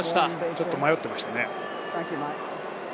ちょっと迷っていましたね。